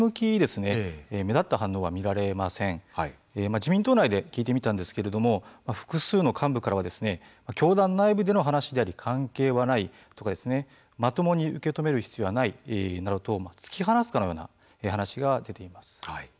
自民党内で聞いてみたんですけれども複数の幹部からは教団内部での話であり関係はないとかまともに受け止める必要はないなどと突き放すかのような話が出ています。